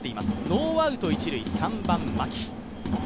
ノーアウト一塁、３番・牧。